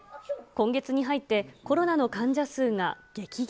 今月に入って、コロナの患者数が激減。